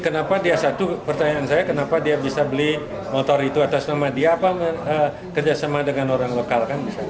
ini satu pertanyaan saya kenapa dia bisa beli motor itu atas nama dia atau kerjasama dengan orang lokal